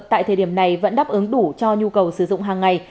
tại thời điểm này vẫn đáp ứng đủ cho nhu cầu sử dụng hàng ngày